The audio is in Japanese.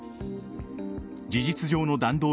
事実上の弾道